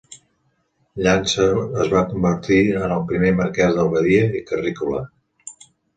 Llança es va convertir en el primer Marqués d'Albaida i Carrícola.